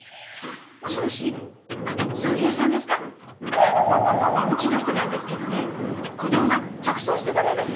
あっあんねうちの人なんですけどねこのまま直葬してもらえます？